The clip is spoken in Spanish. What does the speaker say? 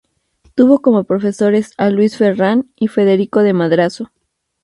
Tuvo como profesores a Luis Ferrant y Federico de Madrazo.